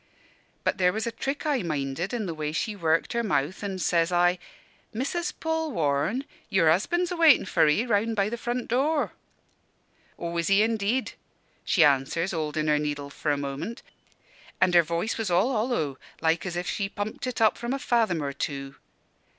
"But there was a trick I minded in the way she worked her mouth, an' says I, 'Missus Polwarne, your husband's a waitin' for 'ee, round by the front door.' "'Aw, is he indeed?' she answers, holdin' her needle for a moment an' her voice was all hollow, like as if she pumped it up from a fathom or two.